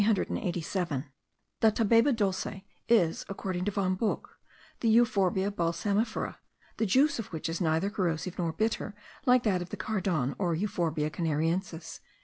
The Tabayba dulce is, according to Von Buch, the Euphorbia balsamifera, the juice of which is neither corrosive nor bitter like that of the cardon, or Euphorbia canariensis.)